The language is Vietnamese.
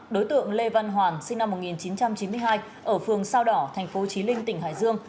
đối tượng lê văn hoàng sinh năm một nghìn chín trăm chín mươi hai ở phường sao đỏ tp chí linh tỉnh hải dương